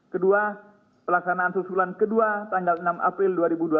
kedua pelaksanaan susulan kedua tanggal enam april dua ribu dua puluh